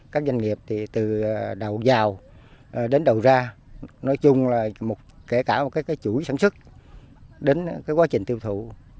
các doanh nghiệp thì từ đầu giàu đến đầu ra nói chung là kể cả một cái chuỗi sản xuất đến quá trình tiêu thụ